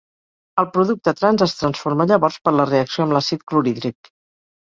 El producte trans es forma llavors per la reacció amb l'àcid clorhídric.